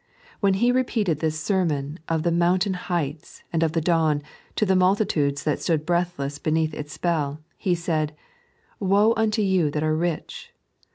When He repeated tbie Sermon of the Mountain Heights and of the Dawn, to the multitudes that stood breathless beneath its Bpell, He said, " Woe unto you that are rich.